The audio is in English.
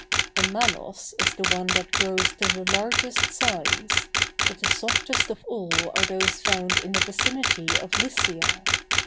The manos is the one that grows to the largest size, but the softest of all are those found in the vicinity of Lycia.